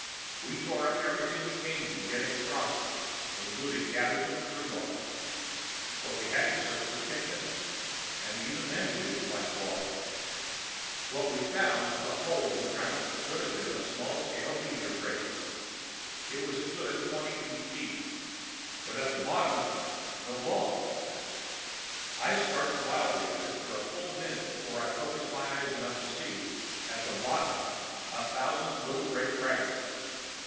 We tore up everything we came to getting across it including cabbages and rhubarb. But we had to search for ten minutes, and even then we didn't find the ball. What we found was a hole in the ground that could have been a small scale meteor crater. It was a good twenty feet deep. But at the bottom, no ball. I stared wildly at it for a full minute before I focused my eyes enough to see, at the bottom, a thousand little gray fragments.